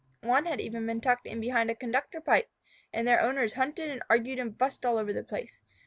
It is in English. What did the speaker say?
One had even been tucked in behind a conductor pipe, and their owners hunted and argued and fussed all over the place.